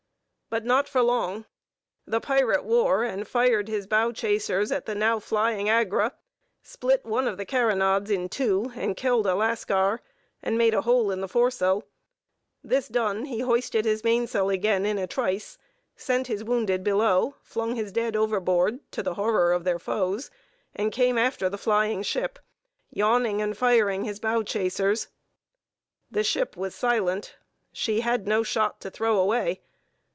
But not for long; the pirate wore and fired his bow chasers at the now flying Agra, split one of the carronades in two, and killed a Lascar, and made a hole in the foresail; this done, he hoisted his mainsail again in a trice, sent his wounded below, flung his dead overboard, to the horror of their foes, and came after the flying ship, yawning and firing his bow chasers. The ship was silent. She had no shot to throw away.